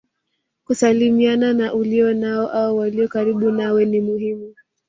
Kusalimiana na ulionao au walio karibu nawe ni muhimu